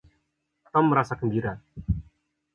Tom merasa gembira.